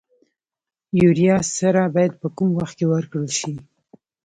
یوریا سره باید په کوم وخت کې ورکړل شي؟